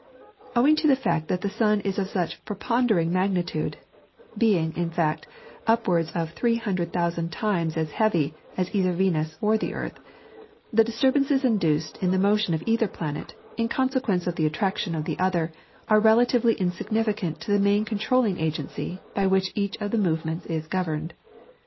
Owing to the fact that the sun is of such preponderating magnitude (being, in fact, upwards of 300,000 times as heavy as either Venus or the earth), the disturbances induced in the motion of either planet, in consequence of the attraction of the other, are relatively insignificant to the main controlling agency by which each of the movements is governed.